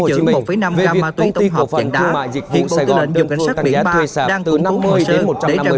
chưa bao giờ bị tăng giá sạp đột ngột như lần này